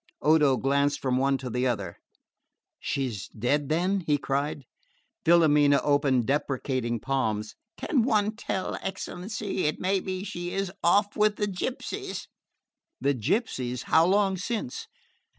Odo glanced from one to the other. "She's dead, then?" he cried. Filomena opened deprecating palms. "Can one tell, excellency? It may be she is off with the gypsies." "The gypsies? How long since?"